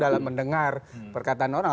dalam mendengar perkataan orang